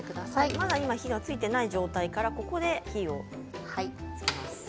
まだ今、火がついていない状態から、ここで火をつけます。